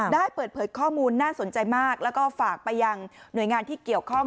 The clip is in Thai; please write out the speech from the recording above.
ได้เปิดเผยข้อมูลน่าสนใจมากแล้วก็ฝากไปยังหน่วยงานที่เกี่ยวข้อง